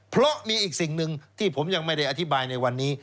เพราะมีอีกสิ่งหนึ่งที่ผมยังไม่ได้อธิบายในวันนี้